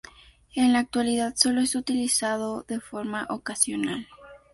En la actualidad, solo es utilizado de forma ocasional.